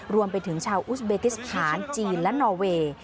รวมไปถึงชาวอุสเบกิสถานจีนและนอเวย์